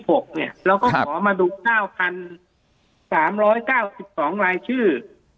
ผมขอมาดู๙๓๙๒ลายชื่อ